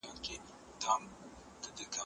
زه پرون کتابونه وړلي؟!